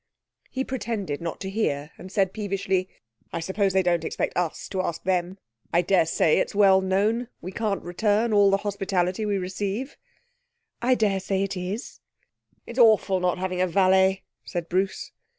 He pretended not to hear, and said peevishly 'I suppose they don't expect us to ask them? I daresay it's well known we can't return all the hospitality we receive.' 'I daresay it is.' 'It's awful not having a valet,' said Bruce.